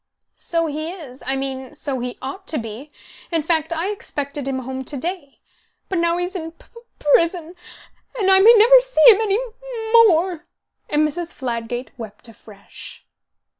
"So he is. I mean, so he ought to be. In fact I expected him home to day. But now he's in p p prison, and I may never see him any m mo more." And Mrs. Fladgate wept afresh.